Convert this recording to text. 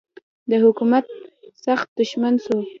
د حکومت سخت دښمن سو.